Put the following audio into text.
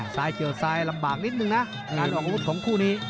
ซ้ายเจียวซ้ายลำบากนิดนึงนะการออกของคู่นี้